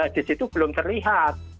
disitu belum terlihat